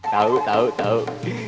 tahu tahu tahu